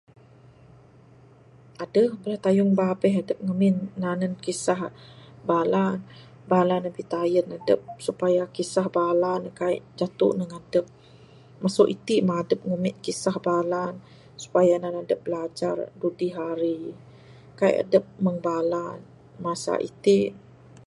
Adeh bala tayung babeh adep ngamin nanen kisah bala, bala ne pitayen adep supaya kisah bala ne kaik jatu neg adep. Masu iti mah adep ngumit kisah bala ne supaya nan adep bilajar dudi hari, kaik adep mung bala ne masa iti.